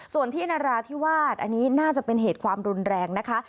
ส่วนที่นราธิวาสอันนี้น่าจะเป็นเหตุความรุนแรงนะคะ